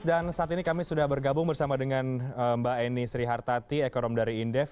dan saat ini kami sudah bergabung bersama dengan mba eni sri hartati ekonomi dari indef